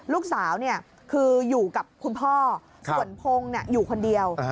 ลูกสาวคืออยู่กับคุณพ่อส่วนพงศ์อยู่คนเดียว